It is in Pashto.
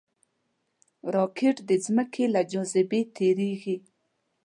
راکټ د ځمکې له جاذبې تېریږي